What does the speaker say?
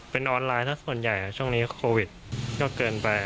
เป็นออนไลน์ถ้าส่วนใหญ่ช่วงนี้โควิดก็เกินไป